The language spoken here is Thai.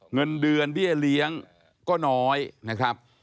เงินเดือนเบี้ยเลี้ยงก็น้อยนะครับ